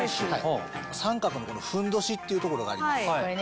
三角のふんどしっていうところがあります。